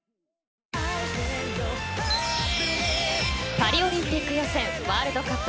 パリオリンピック予選ワールドカップ